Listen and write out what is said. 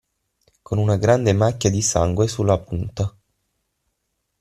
Con una grande macchia di sangue sulla punta.